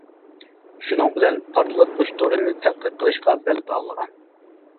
شۇنىڭ بىلەن پارتلاتقۇچ دورىنى تەتقىق قىلىشقا بەل باغلىغان.